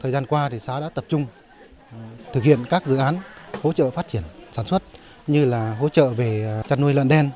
thời gian qua xã đã tập trung thực hiện các dự án hỗ trợ phát triển sản xuất như là hỗ trợ về chăn nuôi lợn đen